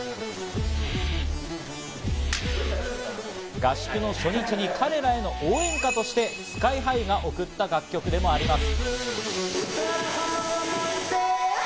合宿の初日に彼らへの応援歌としてＳＫＹ−ＨＩが送った楽曲でもあります。